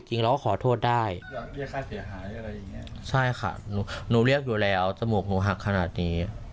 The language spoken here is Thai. ใช่ค่ะหนูเรียกอยู่แล้วจมูกหนูหักขนาดนี้